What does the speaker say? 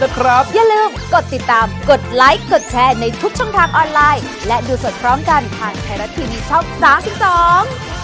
อย่าลืมกดติดตามกดไลค์กดแชร์ในทุกช่องทางออนไลน์และดูสดพร้อมกันผ่านแพลละทีมีช่อง๓๒